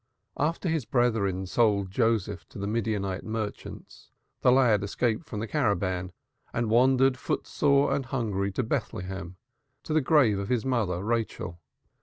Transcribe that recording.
After his brethren sold Joseph to the Midianite merchants, the lad escaped from the caravan and wandered foot sore and hungry to Bethlehem, to the grave of his mother, Rachel.